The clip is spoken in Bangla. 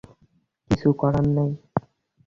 কিছু করার নেই।